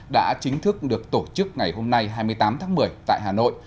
đã chính thức được tổ chức ngày hôm nay hai mươi tám tháng một mươi tại hà nội